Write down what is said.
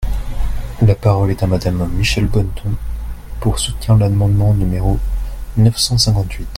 La parole est à Madame Michèle Bonneton, pour soutenir l’amendement numéro neuf cent cinquante-huit.